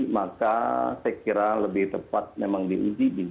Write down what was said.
maka saya kira lebih tepat memang diuji di dalam